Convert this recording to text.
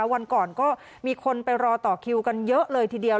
วันก่อนก็มีคนไปรอต่อคิวกันเยอะเลยทีเดียว